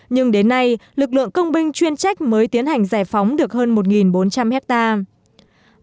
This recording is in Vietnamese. nhưng đến nay lực lượng công binh chuyên trách mới tiến hành giải phóng được hơn một bốn trăm linh hectare